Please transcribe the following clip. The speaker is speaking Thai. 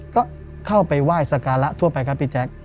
ก็เข้าไปไหว้สการะทั่วไปครับพี่แจ๊ค